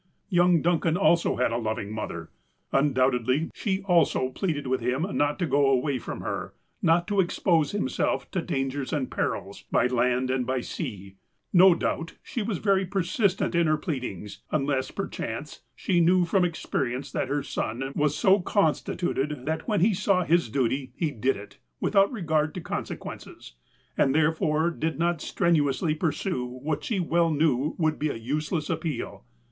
Young Duncan also had a loving mother. Undoubt edly, she also pleaded with him not to go away from her, not to expose himself to dangers and perils, by land and by sea. No doubt she was very persistent in her plead ings, unless, perchance, she knew from experience that her son was so constituted that when he saw his duty he did it, without regard to consequences, and therefore did not strenuously pursue what she well knew would be a useless appeal.